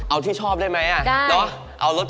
เอาที่ชอบได้ไหม